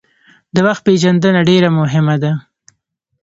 د وخت پېژندنه ډیره مهمه ده.